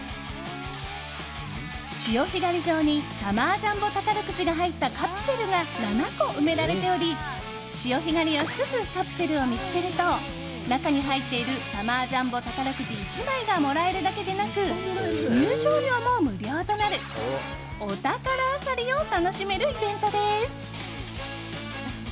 潮干狩り場にサマージャンボ宝くじが入ったカプセルが７個埋められており潮干狩りをしつつカプセルを見つけると中に入っているサマージャンボ宝くじ１枚がもらえるだけでなく入場料も無料となるお宝あさりを楽しめるイベントです。